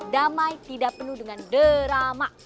damai tidak penuh dengan derama